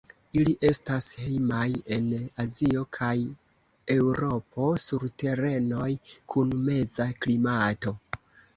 Ili estas hejmaj en Azio kaj Eŭropo sur terenoj kun meza klimato.